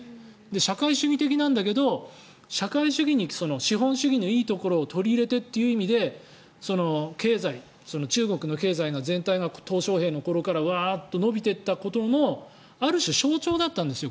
社会主義的なんだけど社会主義に資本主義のいいところを取り入れてという意味で中国の経済全体がトウ・ショウヘイの頃からワーッと伸びていったこともある種、象徴だったんですよ